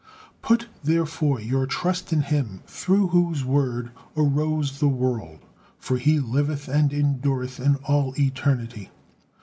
Put, therefore, your trust in Him through whose word arose the world, for He liveth and endureth in all eternity.